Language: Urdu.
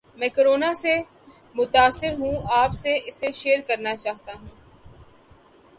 میں کورونا سے متاثر ہوں اپ سے اسے شیئر کرنا چاہتا ہوں